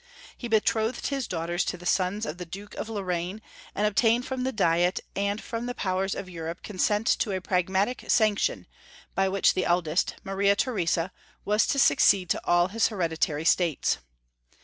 He betrothed his daughters to the sons of the Duke of Lorraine, and obtained from the diet and from the powers of Europe consent to a Pragmatic Sanction, by which the eldest, Maria Theresa, was to succeed to all his hereditary states.